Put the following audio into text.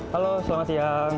halo selamat siang